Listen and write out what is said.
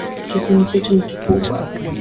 Kikundi chetu ni kikubwa.